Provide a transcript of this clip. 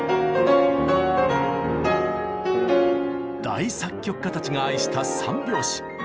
大作曲家たちが愛した３拍子。